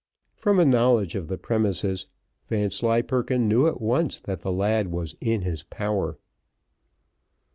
From a knowledge of the premises, Vanslyperken knew at once that the lad was in his power.